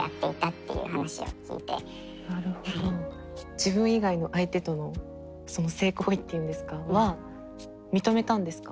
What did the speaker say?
自分以外の相手との性行為っていうんですかは認めたんですか？